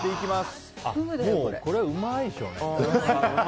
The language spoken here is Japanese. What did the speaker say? これはうまいでしょうね。